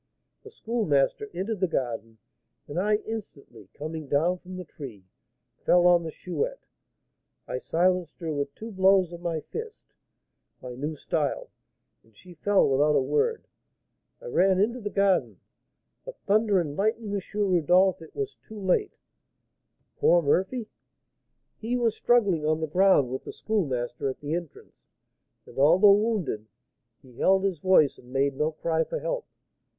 The Schoolmaster entered the garden, and I instantly, coming down from the tree, fell on the Chouette. I silenced her with two blows of my fist, my new style, and she fell without a word. I ran into the garden, but, thunder and lightning, M. Rodolph! it was too late " "Poor Murphy!" "He was struggling on the ground with the Schoolmaster at the entrance, and, although wounded, he held his voice and made no cry for help.